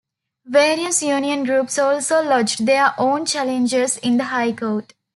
Various union groups also lodged their own challenge in the High Court.